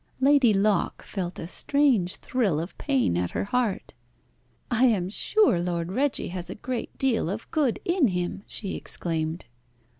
Lady Locke felt a strange thrill of pain at her heart. "I am sure Lord Reggie has a great deal of good in him!" she exclaimed.